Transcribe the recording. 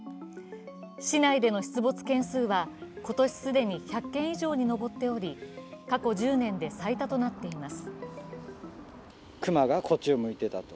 市内での出没件数は今年既に１００件以上に上っており、過去１０年で最多となっています。